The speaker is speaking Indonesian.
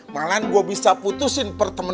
malahan gua bisa putusin pertemanan lo